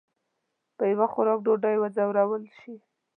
په یو خوراک ډوډۍ وځورول شي.